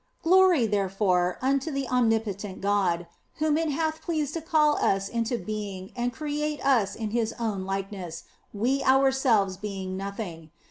Glory, therefore, unto the omnipotent God, whom it hath pleased to call us into being and create us in His own likeness, we ourselves being nothing.